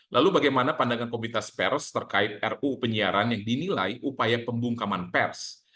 lalu bagaimana pandangan komunitas pers terkait ruu penyiaran yang dinilai upaya pembungkaman pers